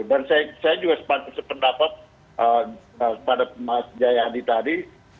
dan saya juga sependapat pada mas jayahandi tadi